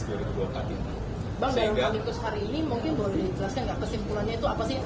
bang dari kus hari ini mungkin boleh dijelaskan nggak kesimpulannya itu apa sih